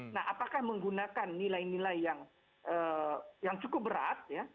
nah apakah menggunakan nilai nilai yang cukup berat ya